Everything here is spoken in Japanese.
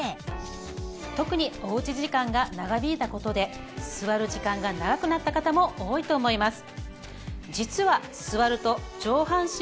特におうち時間が長引いた事で座る時間が長くなった方も多いと思います。